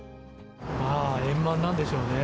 まあ円満なんでしょうね。